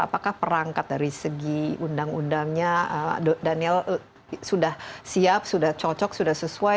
apakah perangkat dari segi undang undangnya daniel sudah siap sudah cocok sudah sesuai